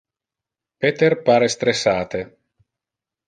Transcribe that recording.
Peter pare stressate.